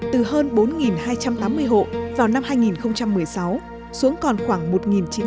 từ hơn bốn hai trăm tám mươi hộ vào năm hai nghìn một mươi sáu xuống còn khoảng một chín trăm linh hộ vào năm hai nghìn một mươi chín